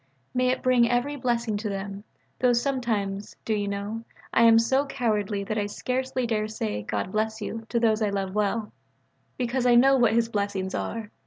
May it bring every blessing to them; though sometimes, do you know, I am so cowardly that I scarcely dare to say "God bless you" to those I love well: because we know what His blessings are.